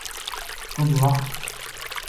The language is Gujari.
کُجھ وخ